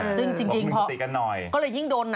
ซึ่งจริงก็เลยยิ่งโดน